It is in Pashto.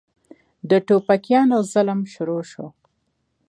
د ټوپکيانو ظلم شروع سو.